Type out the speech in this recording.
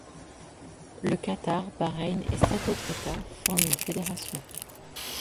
Le Qatar, Bahreïn et sept autres États forment une fédération.